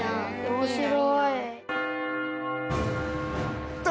面白い。